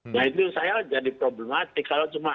nah itu saya jadi problematik